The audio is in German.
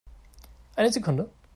Eine Sekunde!